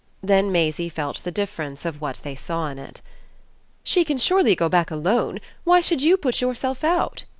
Then Maisie felt the difference of what they saw in it. "She can surely go back alone: why should you put yourself out?"